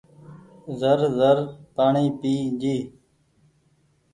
زر زر پآڻيٚ پئي ڇي۔